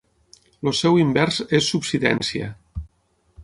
El seu invers és subsidència.